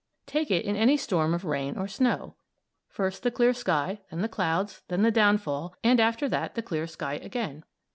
Take it in any storm of rain or snow; first the clear sky, then the clouds, then the downfall, and after that the clear sky again.